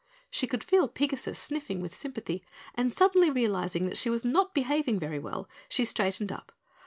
She could feel Pigasus sniffing with sympathy, and suddenly realizing that she was not behaving very well, she straightened up.